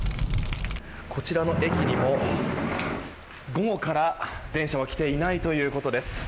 こちらの駅にも午後から電車は来ていないということです。